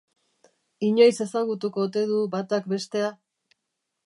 Inoiz ezagutuko ote du batak bestea?